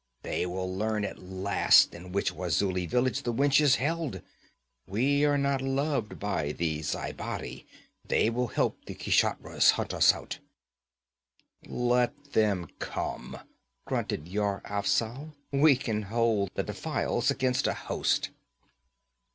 They will learn at last in which Wazuli village the wench is held. We are not loved by the Zhaibari; they will help the Kshatriyas hunt us out.' 'Let them come,' grunted Yar Afzal. 'We can hold the defiles against a host.'